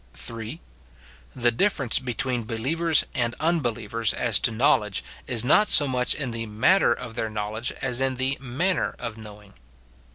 [3.] The difference between believers and unbelievers as to knowledge is not so much in the matter of their knowledge as in the 7nanner of knowing.